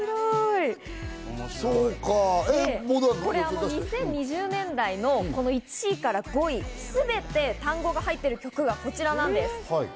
これ２０２０年代の１位から５位、全て単語が入っている曲がこちらなんです。